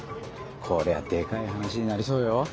こりゃでかい話になりそうよ。